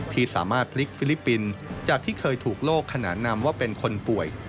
ที่สามารถพลิกฟิลิปปินส์จากที่เคยถูกโลกขนานนำว่าเป็นคนป่วย